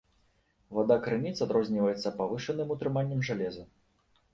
Вада крыніц адрозніваецца павышаным утрыманнем жалеза.